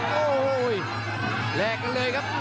โอ้โห้ยแลกเลยครับ